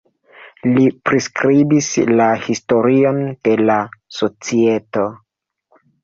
Li priskribis la historion de la societo.